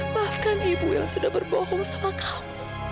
maafkan ibu yang sudah berbohong sama kau